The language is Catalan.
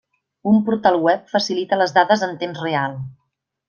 Un portal web facilita les dades en temps real.